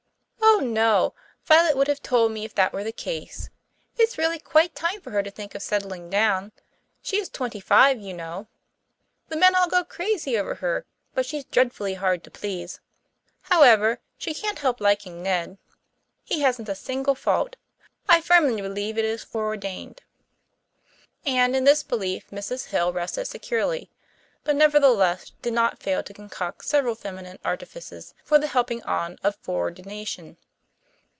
"Oh, no; Violet would have told me if that were the case. It's really quite time for her to think of settling down. She is twenty five, you know. The men all go crazy over her, but she's dreadfully hard to please. However, she can't help liking Ned. He hasn't a single fault. I firmly believe it is foreordained." And in this belief Mrs. Hill rested securely, but nevertheless did not fail to concoct several feminine artifices for the helping on of foreordination.